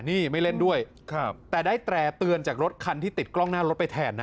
นี่ไม่เล่นด้วยครับแต่ได้แตร่เตือนจากรถคันที่ติดกล้องหน้ารถไปแทนนะ